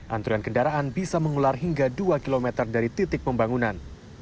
antrian kendaraan bisa mengular hingga dua km dari titik pembangunan